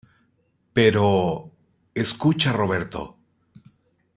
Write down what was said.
pero... escucha, Roberto.